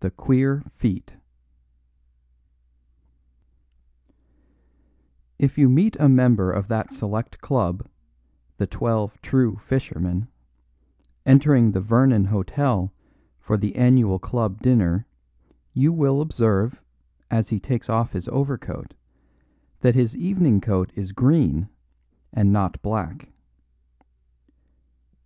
The Queer Feet If you meet a member of that select club, "The Twelve True Fishermen," entering the Vernon Hotel for the annual club dinner, you will observe, as he takes off his overcoat, that his evening coat is green and not black.